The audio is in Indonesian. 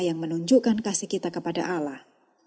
yang menunjukkan kasih kita kepada allah